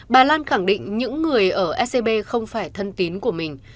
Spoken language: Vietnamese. bà lan khẳng định những người ở ecb không phải thân tín của mình